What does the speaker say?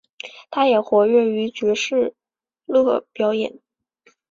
他也活跃于爵士乐表演。